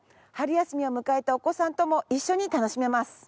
春休みを迎えたお子さんとも一緒に楽しめます。